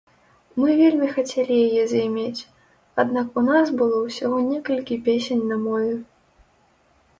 Мы вельмі хацелі яе займець, аднак у нас было ўсяго некалькі песень на мове.